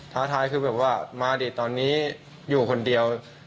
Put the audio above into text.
ท้าทายคือแบบว่ามาดิตอนนี้อยู่คนเดียว